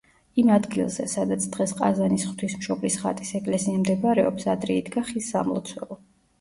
იმ ადგილზე სადაც დღეს ყაზანის ღვთისმშობლის ხატის ეკლესია მდებარეობს, ადრე იდგა ხის სამლოცველო.